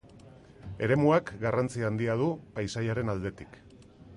Eremuak garrantzi handia du, paisaiaren aldetik.